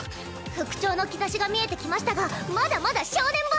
復調の兆しが見えてきましたがまだまだ正念場。